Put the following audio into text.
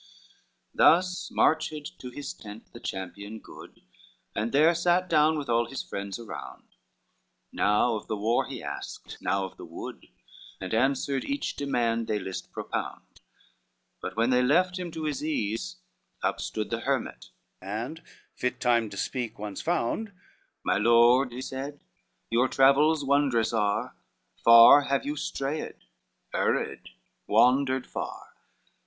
VI Thus marched to his tent the champion good, And there sat down with all his friends around; Now of the war he asked, now of the wood, And answered each demand they list propound; But when they left him to his ease, up stood The hermit, and, fit time to speak once found, "My lord," he said, "your travels wondrous are, Far have you strayed, erred, wandered far.